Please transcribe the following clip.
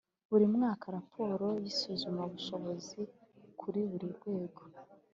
Buri mwaka raporo y’isuzumabushobozi kuri buri rwego